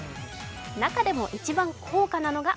中でも一番高価なのが